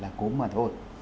là cúm mà thôi